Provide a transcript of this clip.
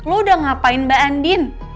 lo udah ngapain mbak andin